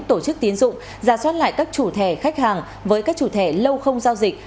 tổ chức tiến dụng giả soát lại các chủ thẻ khách hàng với các chủ thẻ lâu không giao dịch